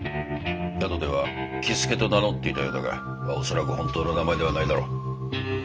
宿では喜助と名乗っていたようだがまあ恐らく本当の名前ではないだろう。